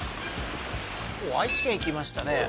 愛知県行きましたね